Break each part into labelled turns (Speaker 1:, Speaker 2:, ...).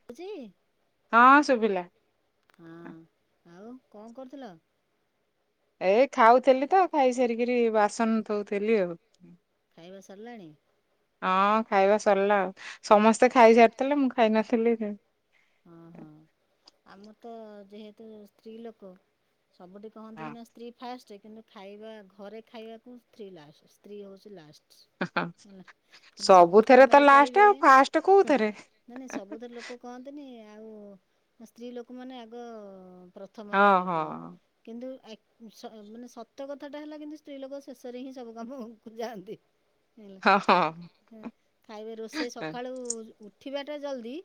Speaker 1: ସୁବୁଛି ହ ଶୁଭିଲା ହ ଆଉ କଣ କରୁଥିଲ?
Speaker 2: ଏଇ ଖାଉଥିଲି ତ ଖାଇସାରିକିରି ବାସନ ଥୋଉଥିଲି ଆଉ।
Speaker 1: ଖାଇବା ସରିଲାଣି?
Speaker 2: ହଁ ଖାଇବା ସରିଲା ଆଉ ସମସ୍ତେ ଖାଇସାରିଥିଲେ ମୁଁ ଖାଇନଥିଲି ସେ
Speaker 1: ହଁ ହଁ ଆମର ତ ଯେହେତୁ ସ୍ତ୍ରୀ ଲୋକ ସବୁଠି କହନ୍ତି ସିନା ସ୍ତ୍ରୀ ଫାଷ୍ଟ କିନ୍ତୁ ଖାଇବା ଘରେ ଖାଇବାକୁ ସ୍ତ୍ରୀ ଲାଷ୍ଟ ସ୍ତ୍ରୀ ହେଉଛି ଲାଷ୍ଟ।
Speaker 2: ହଁ ସବୁଥିରେ ତ ଲାଷ୍ଟ ଆଉ ଫାଷ୍ଟ କୋଉଥିରେ?
Speaker 1: ଆଉ ସ୍ତ୍ରୀ ଲୋକ ମାନେ ଆଗ ପ୍ରଥମରେ କ କିନ୍ତୁ- ସତ ସତ କଥା ଟା ହେଲା କିନ୍ତୁ ସ୍ତ୍ରୀ ଲୋକ ଶେଷରେ ହିଁ ସବୁ କାମକୁ ଯାଆନ୍ତି। ହେଲା ହୁଁ ହୁଁ। ଖାଇବେ ରୋଷେଇ ସକାଳୁ ଉଠିବା ଟା ଜଲଦି।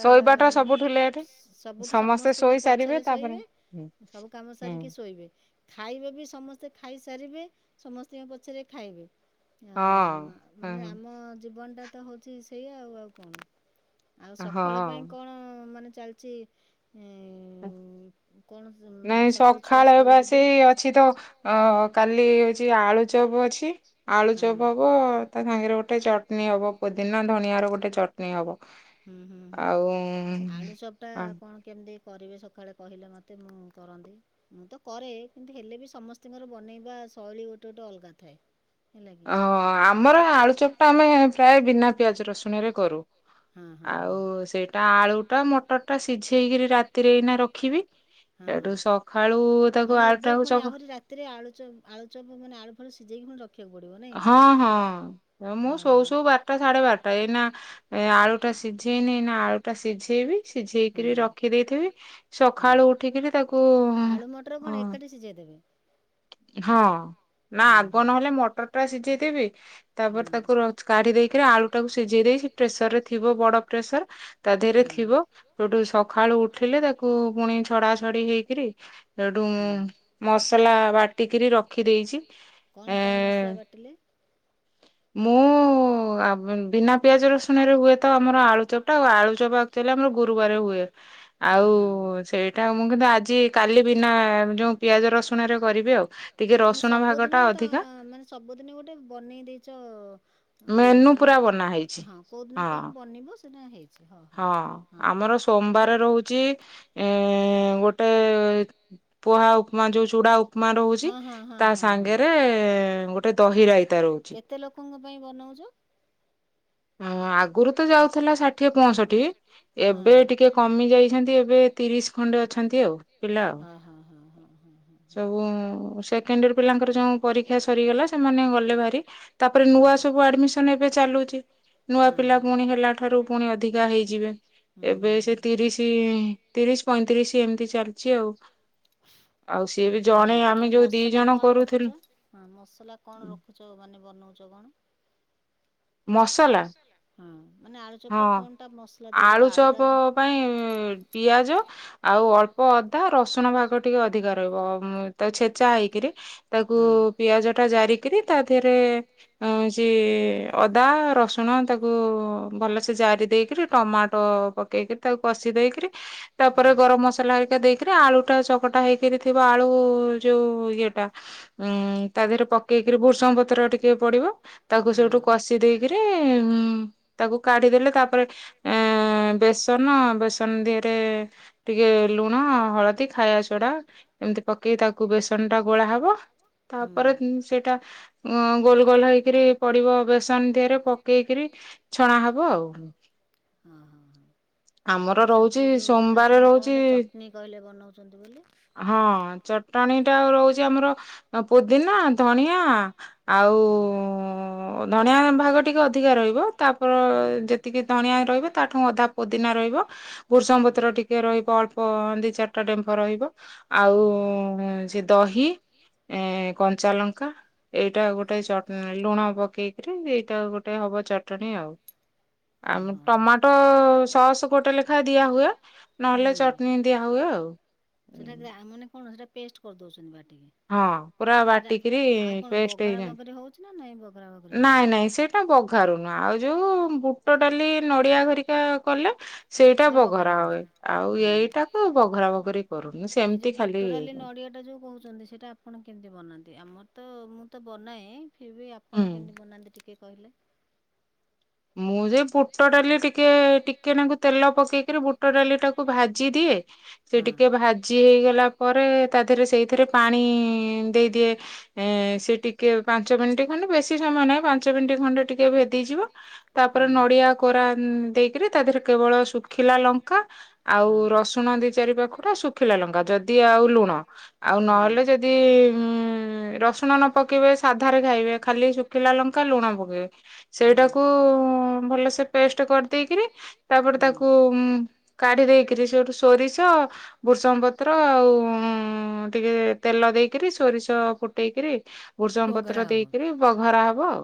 Speaker 2: ଶୋଇବାଟା ସବୁଠୁ ଲେଟ।
Speaker 1: ସବୁଠୁ ସମସ୍ତଙ୍କ ପଛରେ ଶୋଇବେ। ସବୁ କାମ ସାରିକି ଶୋଇବେ। ଖାଇବେ ବି ସମସ୍ତେ ଖାଇସାରିବେ। ସମସ୍ତଙ୍କ ପଛରେ ଖାଇବେ। ଆଉ ମାନେ ଆମ ଜୀବନଟା ତ ହଉଛି ସେଇଆ। ଆଉ ଆଉ କଣ? ଆଉ ସକାଳ ପାଇଁ କଣ ମାନେ ଚାଲିଛି?
Speaker 2: ହଁ। ନାଇଁ ସକାଳ ବା ସେ ଅଛି ତ ଅ କାଲି ହଉଛି ଆଳୁ- ଚପ୍ ଅଛି। ଆଳୁଚପ ହବ ତା ସାଙ୍ଗରେ ଗୋଟେ- ଗୋଟେ ଚଟଣି ହବ। ପୁଦିନା ଧଣିଆ ର ଗୋଟେ ଚଟଣି ହବ।
Speaker 1: ହୁଁ ହୁଁ ହୁଁ। ଆଳୁଚପଟା କଣ କେମିତି? କରିବେ ସକାଳେ କହିଲେ ମୋତେ ମୁଁ କରନ୍ତି। ମୁଁ ତ କରେ କିନ୍ତୁ ହେଲେ ବି ସମସ୍ତଙ୍କର ବନେଇବା- ଶୈଳୀ ଗୋଟୋ ଗୋଟେ ଅଲଗା ଥାଏ
Speaker 2: ଓ ଆମର ଆଳୁଚପଟା ଆମେ ପ୍ରାୟ ବିନା ପିଆଜ ରସୁଣରେ କରୁ। ଆଉ ସେଇଟା ଆଳୁଟା ମଟରଟା ସିଝେଇକିରି ରାତିରେ ଏଇନା ରଖିବି।
Speaker 1: ହଁ ମାନେ ଏବେ ପୁଣି ଆହୁରି ରାତିରେ ଆଳୁ ଆଳୁଚପ ମାନେ ଆଳୁଫାଳୁ- [unintelligible]
Speaker 2: ହଁ ହଁ ମୁଁ ସୋଉ ସୋଉ ବାରଟା ସାଢେ ବାରଟା। ଏଇନା ଏ ଆଳୁ ଟା ସିଝ- ଶିଝିନି ନା ଆଳୁଟା ସିଝି- ସିଝେଇକିରି ରଖିଦେଇଥିବି। ସଖାଳୁ ଉଠିକିରି ତାକୁ-
Speaker 1: ମଟର କଣ ଏକାଠି ସିଝେଇ ଦେବେ?
Speaker 2: ହଁ। ନା ଆଗ ନହେଲେ ମଟରଟା ସିଝେଇଦେବି ତାପରେ ତାକୁ କାଢି ଦେଇ- ଆଳୁ ଟାକୁ ସିଝେଇ ଦେଇ ପ୍ରେସରରେ ଥିବ ବଡ ପ୍ରେସର। ତା ଦେହରେ ଥିବ ଯୋଠୁ- ସଖାଳୁ ଉଠିଲେ ତାକୁ ପୁଣି ଛଡା ଛଡି ହେଇକିରି- ସେଠୁ ମସଲା ବାଟିକିରି ରଖି ଦେଇଛି ଏ- ମୁଁ ଆ ବିନା- ପିଆଜ ରସୁଣରେ ହୁଏ ତ ଆମର ଆଳୁ ଚପଟା। ଆଉ ଆଳୁ ଚପ ଆକଚୁଆଲି ଆମର ଗୁରୁବାରରେ ହୁଏ। ଆଉ ସେଇଟା ମୁଁ କିନ୍ତୁ ଆଜି- କାଲି ବିନା ଯୋଉ ପିଆଜ ରସୁଣରେ କରିବି ଆଉ। ଟିକେ ରସୁଣ ଭାଗ ଟା ଅଧିକା-
Speaker 1: ମାନେ ସବୁଦିନ ଗୋଟେ ବନେଇ ଦେଇଛ- ଇଏ ମାନେ ହଁ କୋଉଦିନ କଣ ବନିବ ସେଇଟା ହେଇଛି। ହଁ ହଁ ହଁ।
Speaker 2: ଆମର ସୋମବାର ରହୁଛି ଏ- ଗୋଟାଏ ପୋହା ଉପମା ଯୋଉ ଚୁଡା- ଉପମା ରହୁଛି। ତା ସାଙ୍ଗରେ ଗୋଟେ ଦହି ରାଇତା ରହୁଛି।
Speaker 1: କାଇଁ ବନଉଛୁ?
Speaker 2: ହଁ ଆଗରୁ ତ ଯାଉଥିଲା ଷାଠିଏ ପଞ୍ଚଷଠି। ଏବେ ଟିକେ କମି ଯାଇଛନ୍ତି ଏବେ ତିରିଶ ଖଣ୍ଡେ ଅଛନ୍ତି ଆଉ ପିଲା। ସବୁ ସେ- ପିଲାଙ୍କର ଯୋଉ ପରୀକ୍ଷା ସରିଗଲା ସେମାନେ ଗଲେ ଭାରି। ତାପରେ ନୂଆ ସବୁ ଆଡମିସନ ଏବେ ଚାଲୁଛି। ନୂଆ ପିଲା ପୁଣି ହେଲା ଠାରୁ ପୁଣି ଅଧିକା ହେଇଯିବେ। ଏବେ ସେ ତିରିଶ ତିରିଶ ପଇଁତିରିଶ ଏମିତି ଚାଲିଛି ଆଉ। ଆଉ ସିଏ ବି ଜଣେ ଆମେ ଯୋଉ ଦି ଜଣ କରୁ-
Speaker 1: ର। ମସଲା କଣ ରଖୁଛ ମାନେ ବନଉଛ କଣ?
Speaker 2: ମସଲା। ହଁ ଆଳୁ ଚପ ପାଇଁ ପିଆଜ- ଆଉ ଅଳ୍ପ ଅଦା ରସୁଣ ଭାଗ ଟିକେ ଅଧିକା ରହିବ ତା ଛେଚା ହେଇକିରି। ତାକୁ ପିଆଜ ଟା ଜାରିକିରି ତା ଦେହରେ ହଉଚି ଅଦା ରସୁଣ ତାକୁ ଭଲସେ ଜାରି ଦେଇକିରି ଟମାଟୋ ପକେଇକି ରି ତାକୁ କଷିବ। ଦେଇକିରି ତାପରେ ଗରମ ମସଲା ହେରିକା ଦେଇକିରି ଆଳୁ ଟା ଚକଟା ହେଇକିରି ଥିବ ଆଳୁ ଯୋଉ ଓ ଇଏଟା ଉ ତା ଦେହରେ ପକେଇକିରି ଭୃସଙ୍ଗ ପତ୍ର ଟିକେ ପଡିବ ତାକୁ ସେଉଠୁ କଷି ଦେଇକିରି ତାକୁ କାଢିଦଲେ ତାପରେ ବେସନ ବେସନ ଧିଅରେ ଟିକେ ଲୁଣ ହଳଦୀ ଖାଇବା ସୋଡ଼ା ଏମିତି ପକେଇ ତାକୁ ବେସନ ଟା ଗୋଳା ହବ ତାପରେ ସେଇଟା ଗୋଲ ଗୋଲ ହେଇକ ପଡିବ ବେ ଧିଅ ରେ ପକେଇକିରି ଛଣା ହବ ଆଉ ଆମ
Speaker 1: ତା ସାଙ୍ଗୁ କୁ ଯୋଉ ତା ସାଙ୍ଗ କଣ ଗୋଟେ ଚଟନୀ କହିଲେ ବନାଉଚନ୍ତି ବୋଲି।
Speaker 2: ସେଟା ରହୁଚି ଆମର ପୁଦିନା ଧଣିଆ ଆଉ ଧଣିଆ ଭାଗ ଟିକେ ଅଧିକା ରହିବ ତାପରେ ଯେତିକି ଧଣିଆ ରହିବ ତାଠୁ ଅଧା ପୋଦିନା ରହିବ ଭୂର୍ଷଙ୍ଗ ପତ୍ର ଟିକେ ରହିବ ଅଳ୍ପ ଦି ଚାରିଟା ଡେମ୍ଫ ରହିବ। ଆଉ ସେ ଦହି କଞ୍ଚାଲଙ୍କା ଏଇଟା ଗୋଟେ ଚ ଲୁଣ ପକେଇ କିରି ଏଇଟା ଗୋଟେ ହବ ଚଟଣି ଆଉ। ଆମ ଟମାଟୋ ସସ୍ ଗୋଟେ ଲେଖାଏ ଦିଆ ହୁଏ ନହେଲେ ଚଟଣି ଦିଆ ହୁଏ ଆଉ।
Speaker 1: ସେଟା ଗ୍ରା ମାନେ ପେଷ୍ଟ କରି ଦଉଚନ୍ତି
Speaker 2: ହଁ ପୁରା ବାଟିକିରି ପେଷ୍ଟ ହେଇଯା ନାଇଁ ନାଇଁ ସେଇଟା ବଘାରୁନୁ ଆଉ ଯୋଉ ବୁ ଟ ଡ଼ାଲି ନଡିଆ ଘରିକା କଲେ ସେଇଟା ପଘରା ହୁଏ ଆଉ ଏଇଟାକୁ ବଘରା ବଘରି କରୁନୁ ସେମିତି ଖାଲି
Speaker 1: ଯୋଉ କହୁଚନ୍ତି ସେ ଟା ଆପଣ କେମିତି ବନାନ୍ତି ଆମର ତ ମୁଁ ତ ବନାଏ ଫିର ବି ଆପଣ କେମିତି ବନାନ୍ତି ଟିକେ କହିଲେ
Speaker 2: ମୁଁ ସେ ବୁଟ ଡାଲି ଟିକେ ଟିକେ ନାକୁ ତେଲ ପକେଇକିରି ବୁଟ ଡାଲି ଟାକୁ ଭାଜି ଦିଏ। ସେ ଟିକେ ଭାଜି ହେଇଗଲା ପରେ ତା ଦେହରେ ସେଇଥିରେ ପାଣି ଦେଇଦିଏ ଏ ସେ ଟିକେ ପାଞ୍ଚ ମିନିଟ ଖଣ୍ଡେ ବେଶୀ ସ ମୟ ନି ପାଞ୍ଚ ମିନିଟ ଖଣ୍ଡେ ଟିକେ ଭେଦି ତାପରେ ନଡିଆ କୋରା ଦେଇକିରି ତା ଦେହରେ କେବଳ ଶୁଖିଲା ଲଙ୍କା ଆଉ ରସୁଣ ଦି ଚାରି ପାଖୁଡ଼ା ଶୁଖିଲା ଲଙ୍କା ଯଦି ଆଉ ଲୁଣ ଆଉ ନହେଲେ ଯଦି ଉ ରସୁଣ ନ ପକେଇବେ ସାଧାରେ ଖାଇବେ ଖାଲି ଶୁଖିଲା ଲଙ୍କା ଲୁଣ ପକେଇବେ। କୁ ଭଲସେ ପେଷ୍ଟେ କରିଦେଇକିରି ତାପରେ ତାକୁ କାଢ଼ିଦେଇକିରି ସେଇଠୁ ସୋରିଷ ବୃଷଙ୍ଗ ପତ୍ର ଆଉ ଟିକେ ତେଲ ଦେଇକରି ସୋରିଷ ଫୁଟେଇକିରି ଭୃଷଙ୍ଗ ପତ୍ର ଦେଇକିରି ପଘରା ହବ ଆଉ।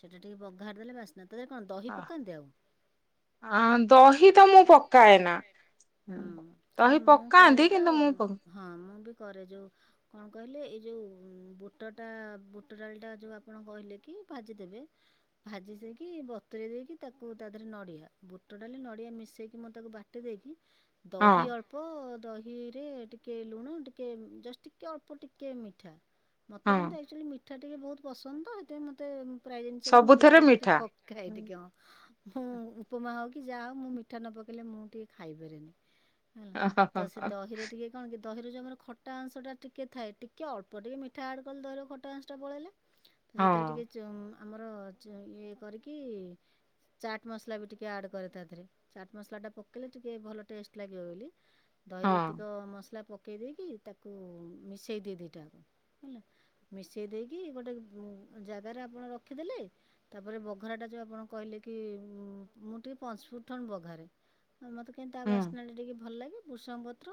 Speaker 1: ସେଟା ଟିକେ ପଘାରି ଦେଲେ ବାସିନା ତ କଣ ଦହି ପକାନ୍ତି ଆଉ?
Speaker 2: ଆ ଦହି ତ ମୁଁ ପକାଏ ନା।
Speaker 1: ହୁଁ କାହିଁକିନା ମୁଁ କରେ ତ ହଁ ମୁଁ ବି କରେ ଯଉ କଣ କହିଲେ ଏଇ ଯେଉଁ ବୁଟଟା ବୁଟ ଡାଳିଟା ଯେଉଁ ଆପଣ କହିଲେ କି ଭାଜି ଦେବେ ଭାଜି ଦେଇକି ବତୁୁରେ ଦେଇକି ତାକୁ ତା ଦେହରେ ନଡିଆ ବୁଟ ଡାକି ନଡିଆ ମି ମିଶେଇକି ମୁଁ ତାକୁ ବାଟି ଦେଇକି ଦହି ଅଳ୍ପ ଦହି ରେ ଟିକେ ଲୁଣ ଟିକେ ଜଷ୍ଟ ଟିକେ ଅଳ୍ପ ଟିକେ ମିଠା। ମତେ କିନ୍ତୁ ଆକଚୁଲି ମିଠା ଟିକେ ବହୁତ ପସନ୍ଦ ତ ସେଇଥି ପାଇଁ ମତେ ପ୍ରାୟ ଜିନିଷରେ ମୁଁ ମିଠା ଟିକେ ପକାଏ ଟିକେ ହଁ। ମୁଁ ଉପମା ହଉ କି ଯାହା ହଉ ମୁଁ ମିଠା ନ ପକେଇଲେ ମୁଁ ଟିକେ ଖାଇପାରେନି। ହଁ ତ ସେ ଦହିରେେ ଟିକେ କଣ ଦହି ରୁ ଯୋଉ ଆମର ଖଟା ଅଂଶଟା ଟିକେ ଥାଏ ଟିକିଏ ଅଳ୍ପ ଟିକେ ମିଠା ଆଡ଼୍ କଲେ ଦହିର ଖଟାଂଶଟା ପଳେଇଲା।
Speaker 2: ହଁ।
Speaker 1: [unintelligible] ଇଏ କରିକି ଚାଟ୍ ମସଲା ବି ଟିକେ ଆଡ୍ କରି ତା ଦେହରେ ଚାଟ୍ ମସଲା ଟା ପକେଇଲେ ଟିକେ ଭଲ ଟେଷ୍ଟ୍ ଲାଗିବ ବୋଲି। ଦହିରେ ଏତିକ ମସଲା ପକ୍ ପକେଇ ଦେଇକି ତାକୁ ମିଶେଇ ଦି ଦିଟାକୁ ହେଲା ମିଶେଇ ଦେଇକି ଗୋଟେ ଉଁ ଜାଗା ଆପଣ ରଖି ଦେଲେ ତାପରେ ପଘରାଟା ଆପଣ ଯୋଉ କହିଲେ କି ହୁଁ ମୁଁ ଟିକେ ପଞ୍ଚୁ ଫୁଟଣ୍ ପଘାରେ ଆଉ ମତେ କାହି ତା ବାସ୍ନା ଟା ଟିକେ ଭଲ ଲାଗେ ବୃସଙ୍ଗ ପତ୍ର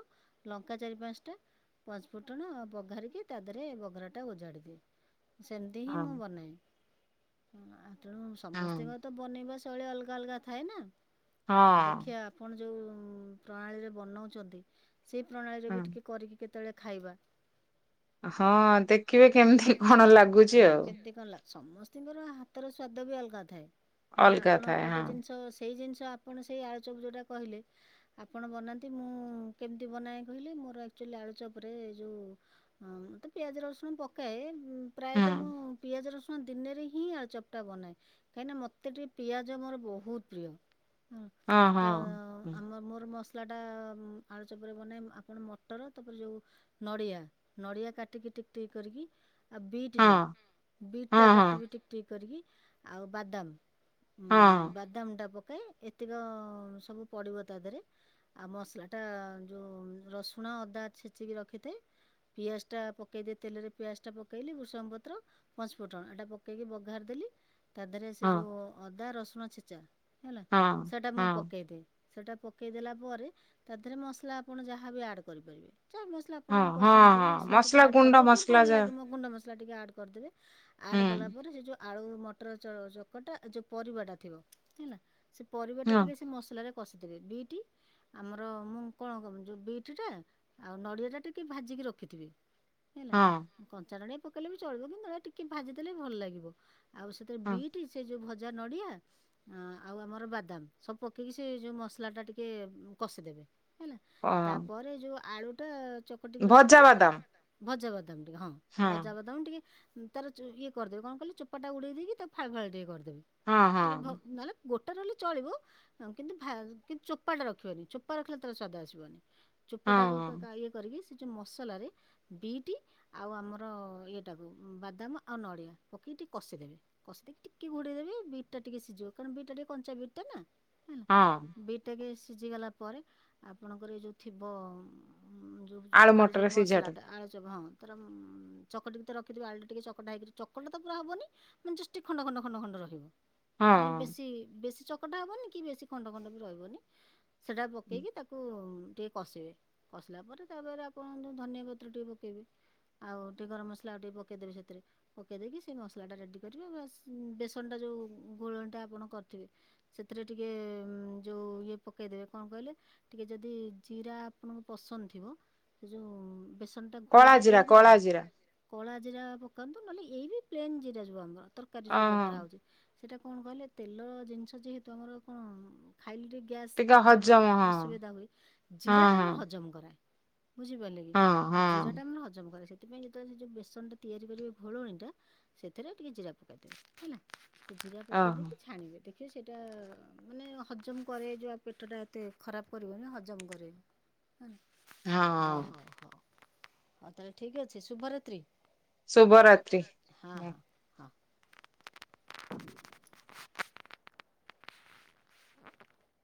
Speaker 1: ଲଙ୍କା ଚାରି ପାଞ୍ଚ ଟା ପାଞ୍ଚ୍ ଫୁଟଣ ପଘାରିକି ତା ଦେହରେ ପଘରା ଟା ଓଜାଡି ଦିଏ। ସେମିତି ହିଁ ମୁଁ ବନାଏ ତେଣୁ ସମସ୍ତଙ୍କର ତ ବନେଇବା ଶୈଳୀ ଅଲଗା ଅଲଗା ଥାଏ ନା ଆଉ ଦେଖିବା ଆପଣ ଯୋଉ ପ୍ରଣାଳୀରେ ବନାଉଛନ୍ତି ସେଇ ପ୍ରଣାଳୀରେ ବି ଟିକେ କରିକି କେତେବେଳେ ଖାଇବା
Speaker 2: ହଁ ଦେଖିବେ କେମିତି କଣ ଲାଗୁଛି ଆଉ।
Speaker 1: ସମସ୍ତଙ୍କର ହାତର ସ୍ଵାଦ ବି ଅଲଗା ଥାଏ ମାନେ ଆପଣ ଗୋଟେ ଜିନିଷ ସେଇ ଜିନିଷ ଆପଣ ସେଇ ଆଳୁଚକ ଯେଉଁଟା କହିଲେ ଆପଣ ବନାନ୍ତି ମୁଁ କେମିତି ବନାଏ କହିଲେ ମୋରଆକ୍ଚୁଏଲି ଆଳୁଚପରେ ଯୋଉ ମତେ ପିଆଜ ରସୁଣ ପକାଏ। ଁ ପ୍ରାୟତଃ ମୁଁ ପିଆଜ ରସୁଣ ଦିନରେ ହିଁ ଆଳୁ ଚପଟା ବନାଏ କାହିଁକିନା ମତେ ଟିକେ ପିଆଜ ମୋର ବହୁତ ପ୍ରିୟ। ହଁ ତ ଆମର ମୋର ମସ୍ ମଲା ଟା ଆଳୁ ଚପରେ ବ ଆପଣ ମଟର ତାପରେ ଯୋଉ ନଡିଆ ନଡିଆ କି ଟି ଟିକ୍ ଟିକି କରିକି। ଆଉ ବିଟ୍ ଯୋଉ ବିଟ୍ ଟା କାଟିବି ଟିକ୍ ଟିକ୍ କରିକି ଆଉ ବାଦାମ। ହୁଁ ବାଦାମ ଟା ପକା ପକାଇ ଏତିକ ସବୁ ପଡ଼ିବ ତା ଦେହରେ ଆଉ ମସଲା ଟା ଯୋଉ ରସୁଣ। ଣ ଅଦା ଛେଚିକି ରଖିଥାଏ। ପିଆଜ ଟା ପକେଇଦି ତେଲରେ ପିଆଜ ଟା ପକେଇଲି ଉଷଙ୍ଗ ପତ୍ର ପଞ୍ଚ୍ ଫୁଟଣ ଏଟା ପକେଇକି ବଘାରି ଦେଲି ତା ଦେହରେ ସେ ଯୋଉ ଅଦା ରସୁଣ ଛେଚା। ହେଲା ସେଟା ମୁଁ ପକେଇଦିଏ। ସେଟା ପକେଇଦଲା ପରେ ତା ଦେହରେ ମସଲା ଆପଣ ଯାହାବି ଆଡ୍ କରିପାରିବେ। ଚା ମସଲା ଆପଣଙ୍କ ପସନ୍ଦ ଥିବ ମସଲା ଟିକେ ଆଡ଼୍ କରିଦେବେ ଟିକେ ଭଲ ଲାଗେ ମୋ ଗୁଣ୍ଡ ମସଲା ଟିକିଏ ଆଡ଼୍ କରିଦେବେ। ଆଡ଼୍ ଗଲା ପରେ ସେ ଯୋଉ। ଆଳୁ ମଟର ଚକଟା ଯେଉଁ ପରିବାଟା ଥିବ ହେଲା ସେ ପରିବାଟା ଟିକେ ସେ ମସଲାରେ। ପଶିଦେବେ ବିଇଟି ଆମର ମୁଁ କଣ କ ଯୋଉ ବିଇଟି ଟା ଆଉ ନଡିଆ ଟା ଟିକେ ଭାଜିକି ରଖିଥିବି। ହେଲା କଞ୍ଚା ନଡ଼ିଆ ପକେଇଲେ ବି ଚଳିବ କିନ୍ତୁ ଏ ଟିକେ ଭାଜିଦେଲେ ବି ଭଲ ଲାଗିବ। ଆଉ ସେଥିରେ ବିଟ୍ ସେ ଯୋଉ ଭଜା ଜା ନଡ଼ିଆ ଆଉ ଆମର ବାଦାମ ସବୁ ପକେଇକି ସେ ଯୋଉ ମସଲା ଟା ଟିକେ କଷିଦେବେ। ହେଲା ତାପରେ ଯୋଉ ଆଳୁ ଟା ଚକଟିକେ ରଖିଥିବେ ଭଜା ଭଜା। ଟିକେ ହଁ ଭଜା ବଦାମ ଟିକେ ତାର ଇଏ କରିଦେବେ କଣ କିଲ ଚୋପା ଉଡେଇ ଦେଇକ ତା ଫାଳ ଫାଳ ଟିକେ କରିଦେବ। ଟିକେ ନହେଲେ। ଗୋଟେ ରହିଲେ ଚଳିବ କିନ୍ତୁ କିନ୍ତୁ ଚୋପା ଟା ରଖିବନି ଚୋପା ରଖିଲେ ତାର ସ୍ଵାଦ ଆସିବନି। ଚୋପା ଟାକୁ ଇଏ କରିକି ଯୋଉ ମସଲାରେ ବିଇଟି ଆଉ ଆମର ଏଇ ଟାକୁ ବାଦାମ। ବାଦାମ ଆଉ ନଡ଼ିଆ ପକେଇ ଟିକେ କିଷିଦେବେ କଷିଦେଇକି ଟିକେ ଘୋଡ଼େଇ ଦେବେ ବିଟ୍ ଟା ଟିକେ ସିଝିବ କାରଣ ବିଟ୍ ଟିକେ କଞ୍ଚା ବିଟ୍ ଟା ଟିକେ କଞ୍ଚା ବି ବିଟ୍ ଟା ନା। ହେଲା ବିଟ୍ ଟା ଟିକେ ସିଝି ଗଲା ପରେ ଆପଣଙ୍କର ଏ ଯୋଉ ଥିବ। ଯୋଉ ଆଳୁଚପ ମସଲା ଟା ଆଳୁଚପ ହଁ ତର ଚକଟି କି ରଖିଥିବ ଆଳୁ ଟିକେ ଚକଟିକି। କ ଚକଟା ପୁରା ହବନି ମାନେ ଜଷ୍ଟ୍ ଟିକେ ଖଣ୍ଡ ଖଣ୍ଡ ଖଣ୍ଡ ଖଣ୍ଡ ରହିବ। ମାନେ ବେଶୀ ବେଶୀ ଚକଟା ହବନି କି ବେଶୀ ଖଣ୍ଡ ଖଣ୍ଡ ବି ରହିବନି। ସେଟା ପକେଇକି ତାକୁ ଟିକେ କଷିବେ କଷିଲା ପରେ ତାପରେ ଆପଣ ଧନିଆ ପତ୍ର ଟିକେ ପକେଇବେ। ଆଉ ଟିକେ ଗରମ ମସଲା ଆଉ ଟିକେ ପକେଇଦେବେ ସେଥିରେ। ପକେଇ ଦେଇକି ସେଇ ମସଲା ଟା ରେଡି କରିବେ ବେସନ ଟା ଯୋଉ ଘୋଳଣିଟା ଆପଣ କରିଥିବେ ସେଥିରେ ଟିକେ ଯୋଉ ଇଏ ପକେଇଦେବେ କଣ କହିଲେ ଟିକେ ଯଦି ଜିରା ଆପଣଙ୍କୁ ପସନ୍ଦ ଥିବ ସେ ଜଉ ଘୋ ଟା ତିଆରି କର କଳା ଜିରା ପକାନ୍ତୁ ନହେଲେ ଏଇ ପ୍ଲେନ ଜିରା ଯିବ ଆମର ତରକାରୀ ଯୋଉ ବଗରା ହଉଛି ସେଟା କଣ କହିଲେ ତେଲ ଜିନିଷ ଯେହେତୁ ଆମର କଣ ଖାଇଲିରେ ଗ୍ୟାସ୍ ପ୍ରୋବ୍ଲେମ୍ ଅସୁବିଧା ହୁଏ ଜିରାଟା ଆମର ହଜମ କରାଏ ବୁଝିପାରିଲେ କି ଜିରା ଟା ମାନେ ହଜମରେ ସେଥିପଁତେବେଳେ ସେୋଉ ବେସନ ଟିକିଏ ଭୋଳଣ ଟା ସେଥିରେ ଟିକେ ଜିରା ପକେଇଦବେ ହେଲା ଜିରା ପକେଇ ଦେଇକି ଛାଣିବେ ଟିକେ ଦେ ସେଇଟା ମାନେ ହଜମ କରେ ଯ ପେଟ ଟା ଏତେ ଖରାପ କରିବନି ହଜମ କରେ। ହଁ ହଉ ହଉ ହଉ ତାହେଲେ ଠିକ ଅଛି ଶୁଭରାତ୍ରି।
Speaker 2: ଶୁଭ ରାତ୍ରି ହଁ।
Speaker 1: [unintelligible]